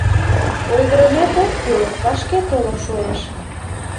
Ойгырымет ок кӱл, вашке толын шуэш.